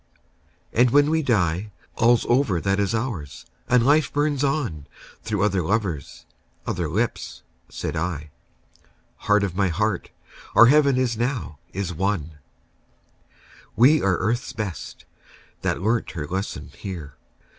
..." "And when we die All's over that is ours; and life burns on Through other lovers, other lips," said I, "Heart of my heart, our heaven is now, is won!" "We are Earth's best, that learnt her lesson here.